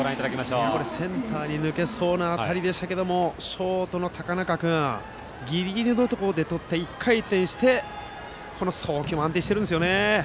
センターに抜けそうな当たりでしたけどショートの高中君ギリギリのところでとって１回転して、送球も安定しているんですよね。